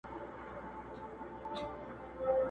څوك به اخلي د پېړيو كساتونه،